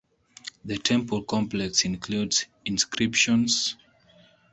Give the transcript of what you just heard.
The temple complex includes inscriptions.